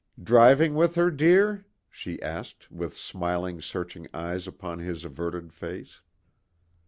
"Driving with her, dear?" she asked, with smiling, searching eyes upon his averted face.